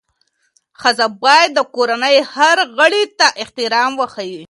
ښځه باید د کورنۍ هر غړي ته احترام وښيي.